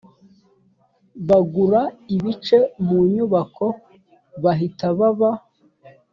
bagura ibice mu nyubako bahita baba